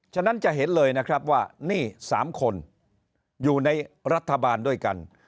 ฉะนั้นจะเห็นเลยนะครับว่านี่๓คนอยู่ในรัฐบาลด้วยกัน